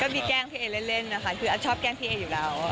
มีแกล้งพี่เอเล่นนะคะคืออัดชอบแกล้งพี่เออยู่แล้ว